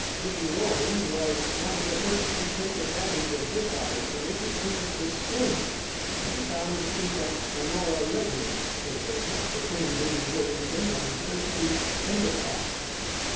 Jane Loring was one of the first to take advantage of this opportunity to escape, and found a seat at Honora Ledyard's table between Bibby Worthington and Percy Endicott.